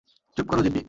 চুপ করো, জেপি।